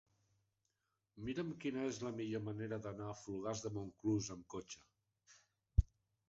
Mira'm quina és la millor manera d'anar a Fogars de Montclús amb cotxe.